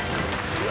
うわ！